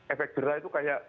efek jerah itu kayak